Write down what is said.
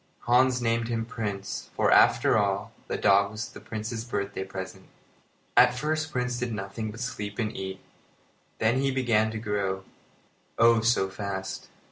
Hans named him Prince, for, after all, the dog was the Prince's birthday present. At first Prince did nothing but sleep and eat. Then he began to grow, oh! so fast.